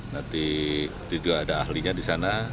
nanti dia juga ada ahlinya di sana